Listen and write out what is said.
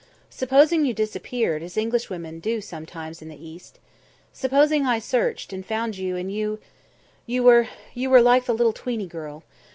Supposing you disappeared, as Englishwomen do sometimes in the East. Supposing I searched, and found you, and you you were you were like the little tweeny girl.